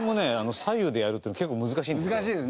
左右でやるっていうの結構難しいんですよ。